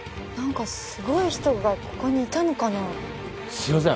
すいません。